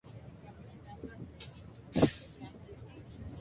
Son propios de África.